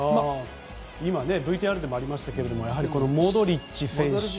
ＶＴＲでもありましたがモドリッチ選手。